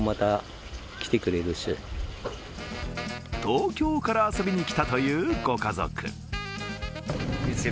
東京から遊びに来たというご家族。